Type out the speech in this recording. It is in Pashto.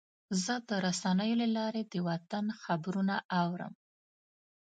زه د رسنیو له لارې د وطن خبرونه اورم.